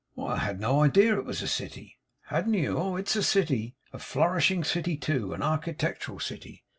'Why, I had no idea it was a city.' 'Hadn't you? Oh, it's a city.' A flourishing city, too! An architectural city!